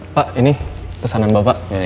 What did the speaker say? pak ini pesanan bapak